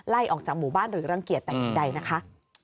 ไล่ออกจากหมู่บ้านหรือรังเกียจแต่อย่างใดนะคะ